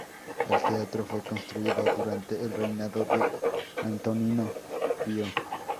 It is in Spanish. El teatro fue construido durante el reinado de Antonino Pío.